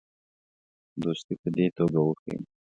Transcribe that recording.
دوستي په دې توګه وښیي.